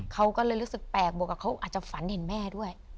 เขาก็เลยรู้สึกแปลกบวกกับเขาอาจจะฝันเห็นแม่ด้วย